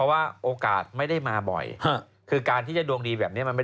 ใชค่ะไม่ได้มาบ่อยคือการที่จะดวงดีแบบนี้ไม่ได้มี